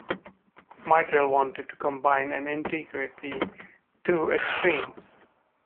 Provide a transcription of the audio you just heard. Myrdal wanted to combine and integrate the two extremes.